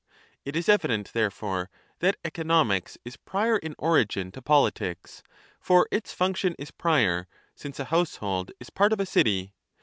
It is evident, therefore, that economics is prior in origin to politics ; for its function is prior, since a household 15 is part of a city.